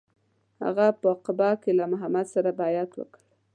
هغه په عقبه کې له محمد سره بیعت وکړ.